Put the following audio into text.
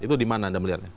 itu di mana anda melihatnya